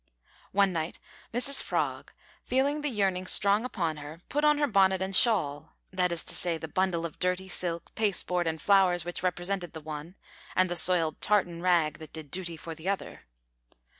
One night Mrs Frog, feeling the yearning strong upon her, put on her bonnet and shawl that is to say, the bundle of dirty silk, pasteboard, and flowers which represented the one, and the soiled tartan rag that did duty for the other.